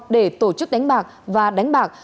để tổ chức đánh bạc và đánh bạc